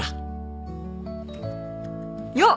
よっ！